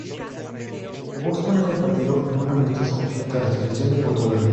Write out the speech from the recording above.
Jugó su único partido en un amistoso frente a la selección de Portugal.